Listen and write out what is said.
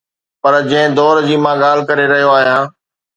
پر جنهن دور جي مان ڳالهه ڪري رهيو آهيان.